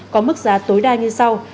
có mức giá tối đa như sau